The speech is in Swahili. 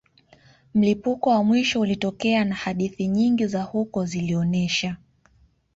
Mlipuko wa mwisho ulitokea na hadithi nyingi za huko zilionesha